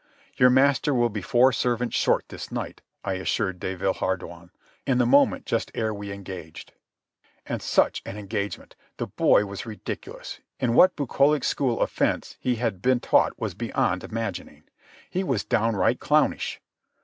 "Your master will be four servants short this night," I assured de Villehardouin, in the moment just ere we engaged. And such an engagement! The boy was ridiculous. In what bucolic school of fence he had been taught was beyond imagining. He was downright clownish.